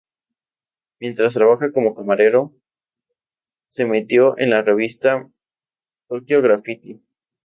Mientras trabajaba como camarero, se metió en la revista "Tokyo Graffiti".